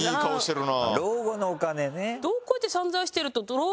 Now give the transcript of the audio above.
老後のお金ね。